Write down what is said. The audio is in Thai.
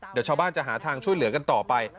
เดี๋ยวชาวบ้านจะหาทางช่วยเหลือกันต่อไป